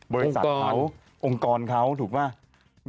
บริษัทเขาองค์กรเขาถูกป่ะ